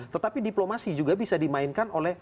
tetapi diplomasi juga bisa dimainkan oleh